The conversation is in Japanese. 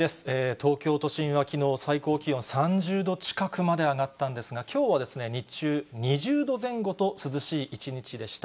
東京都心はきのう、最高気温３０度近くまで上がったんですが、きょうは日中、２０度前後と、涼しい一日でした。